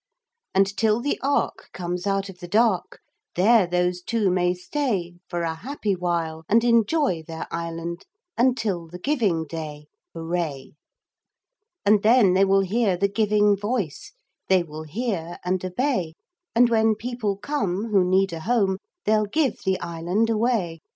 'And till the ark Comes out of the dark There those two may stay For a happy while, and Enjoy their island Until the Giving Day. Hooray. 'And then they will hear the giving voice, They will hear and obey, And when people come Who need a home, They'll give the island away.